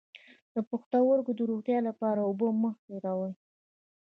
د پښتورګو د روغتیا لپاره اوبه مه هیروئ